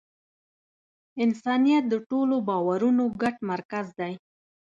انسانیت د ټولو باورونو ګډ مرکز دی.